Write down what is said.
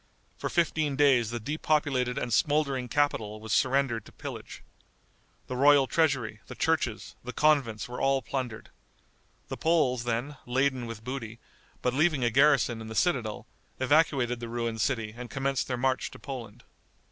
For fifteen days the depopulated and smouldering capital was surrendered to pillage. The royal treasury, the churches, the convents were all plundered. The Poles, then, laden with booty, but leaving a garrison in the citadel, evacuated the ruined city and commenced their march to Poland.